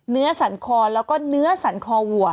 เนื้อสันคอแล้วก็เนื้อสันคอวัว